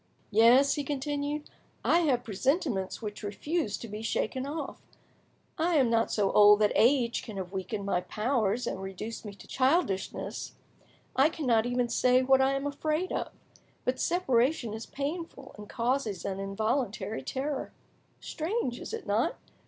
"Yes," he continued, "I have presentiments which refuse to be shaken off. I am not so old that age can have weakened my powers and reduced me to childishness, I cannot even say what I am afraid of, but separation is painful and causes an involuntary terror. Strange, is it not?